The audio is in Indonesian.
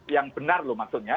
yang benar loh maksudnya